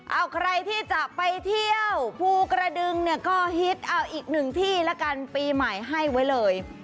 เอาใครที่จะไปเที่ยวภูกระดึงเนี่ยก็ฮิตเอาอีกหนึ่งที่แล้วกันปีใหม่ให้ไว้เลย